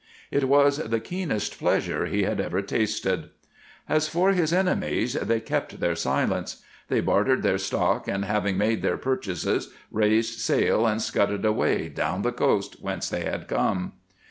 It was the keenest pleasure he had ever tasted. As for his enemies, they kept their silence. They bartered their stock and, having made their purchases, raised sail and scudded away down the coast whence they had come.